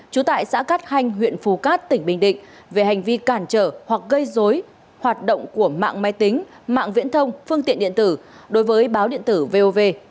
trú tại xã cát hanh huyện phù cát tỉnh bình định về hành vi cản trở hoặc gây dối hoạt động của mạng máy tính mạng viễn thông phương tiện điện tử đối với báo điện tử vov